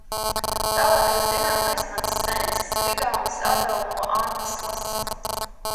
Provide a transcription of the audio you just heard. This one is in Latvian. Tālākais zināmais mans sencis ir igaunis Ado no Antslas.